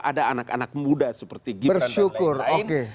ada anak anak muda seperti gibran dan lain lain